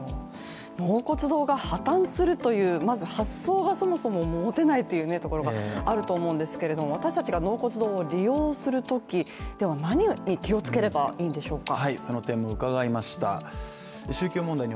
納骨堂が破綻するという発想がまずそもそも持てないというところがあると思うんですが私たちが納骨堂を利用するとき何に気をつければいいんでしょうか。